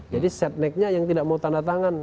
jadi set next nya yang tidak mau tanda tangan